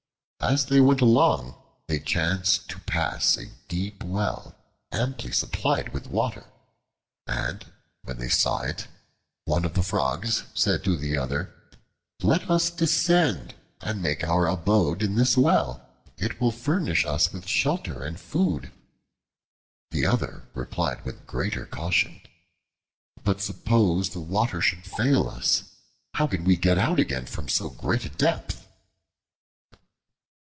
As they went along they chanced to pass a deep well, amply supplied with water, and when they saw it, one of the Frogs said to the other, "Let us descend and make our abode in this well: it will furnish us with shelter and food." The other replied with greater caution, "But suppose the water should fail us. How can we get out again from so great a depth?"